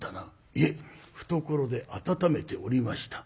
「いえ懐で暖めておりました」。